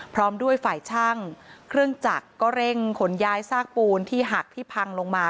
พร้อมด้วยฝ่ายช่างเครื่องจักรก็เร่งขนย้ายซากปูนที่หักที่พังลงมา